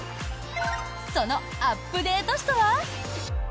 そのアップデート史とは？